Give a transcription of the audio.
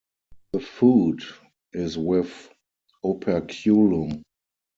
The foot is with operculum.